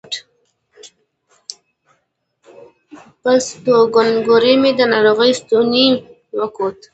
په ستونګوري مې د ناروغ ستونی وکوت